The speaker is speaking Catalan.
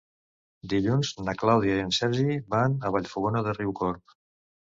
Dilluns na Clàudia i en Sergi van a Vallfogona de Riucorb.